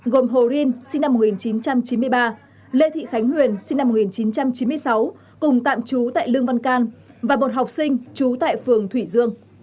gồm hồ rin sinh năm một nghìn chín trăm chín mươi ba lê thị khánh huyền sinh năm một nghìn chín trăm chín mươi sáu cùng tạm trú tại lương văn can và một học sinh trú tại phường thủy dương